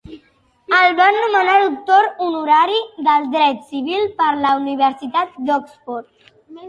El van nomenar Doctor honorari de dret civil per la Universitat d'Oxford.